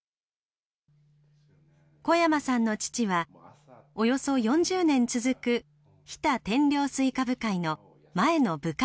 小山さんの父はおよそ４０年続く日田天領西瓜部会の前の部会長。